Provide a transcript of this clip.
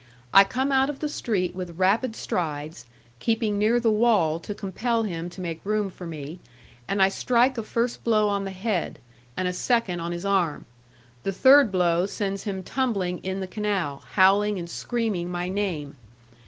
I come out of the street with rapid strides, keeping near the wall to compel him to make room for me, and I strike a first blow on the head, and a second on his arm; the third blow sends him tumbling in the canal, howling and screaming my name.